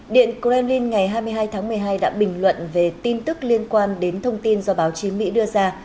điện kremlin ngày hai mươi hai tháng một mươi hai đã bình luận về tin tức liên quan đến thông tin do báo chí mỹ đưa ra